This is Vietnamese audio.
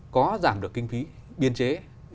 có giảm được kinh phí biên chế